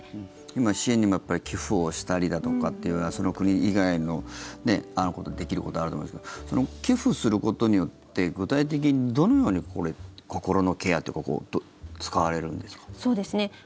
今、支援にも寄付をしたりだとかっていうようなその国以外のことでできることあると思うんですけど寄付することによって具体的にどのように心のケアというか使われるんですか。